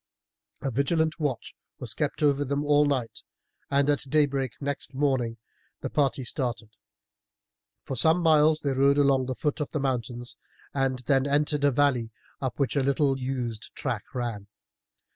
A vigilant watch was kept over them all night, and at daybreak next morning the party started. For some miles they rode along at the foot of the mountains, and then entered a valley up which a little used track ran.